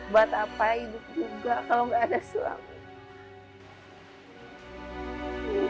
buat apa hidup juga kalau nggak ada suami